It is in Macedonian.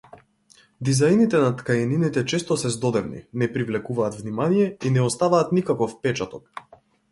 Дизајните на ткаенините често се здодевни, не привлекуваат внимание, и не оставаат никаков впечаток.